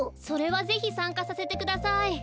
それはぜひさんかさせてください。